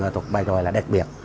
thuộc bài tròi là đặc biệt